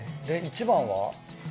で１番は？